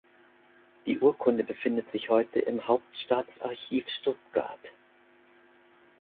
Die Urkunde befindet sich heute im Hauptstaatsarchiv Stuttgart.